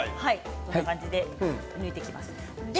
こんな感じで抜いていきます。